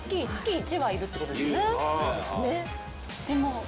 でも。